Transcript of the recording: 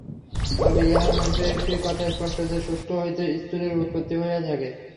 তবে ইহার মধ্যে একটি কথা স্পষ্ট যে, সূক্ষ্ম হইতে স্থূলের উৎপত্তি হইয়া থাকে।